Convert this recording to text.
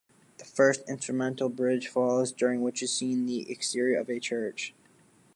The first instrumental bridge follows, during which is seen the exterior of a church.